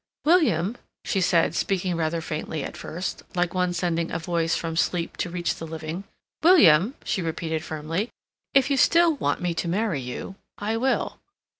"William," she said, speaking rather faintly at first, like one sending a voice from sleep to reach the living. "William," she repeated firmly, "if you still want me to marry you, I will."